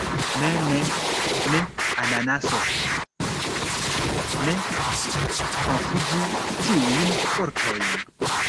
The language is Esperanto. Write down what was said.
Ne ne. Ne ananaso. Ne konfuzu tiujn vortojn.